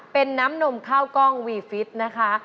เป็นน้ำนมข้าวกล้องวีฟิตนะคะ